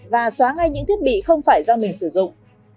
và xóa ngay những thiết bị không phải do mình sử dụng